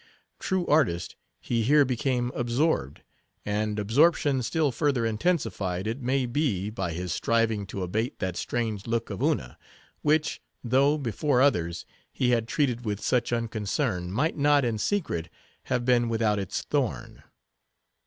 True artist, he here became absorbed; and absorption still further intensified, it may be, by his striving to abate that strange look of Una; which, though, before others, he had treated with such unconcern, might not, in secret, have been without its thorn.